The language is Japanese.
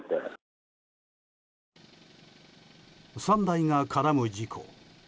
３台が絡む事故。